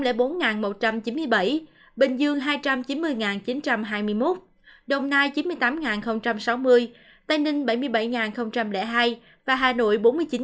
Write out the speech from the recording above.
tổng số ca nhiễm được dịch này gồm có tp hcm năm trăm linh bốn một trăm chín mươi bảy bình dương hai trăm chín mươi chín trăm hai mươi một đồng nai chín mươi tám sáu mươi tây ninh bảy mươi bảy hai và hà nội bốn mươi chín sáu trăm ba mươi một